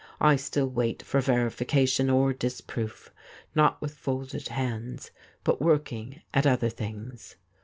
I still wait for veri fication or disproof — not with folded hands, but working at other things.'